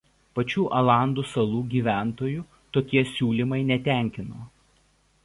Pačių Alandų salų gyventojų tokie siūlymai netenkino.